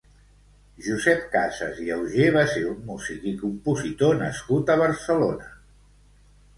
Josep Casas i Augé va ser un músic i compositor nascut a Barcelona.